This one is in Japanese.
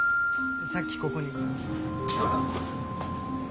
さっきここに。